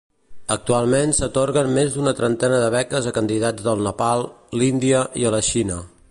Actualment s'atorguen més d'una trentena de beques a candidats del Nepal, l'Índia i la Xina.